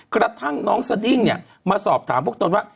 กระทั่งน้องสดิ้งเนี่ยมาสอบถามพวกตนว่า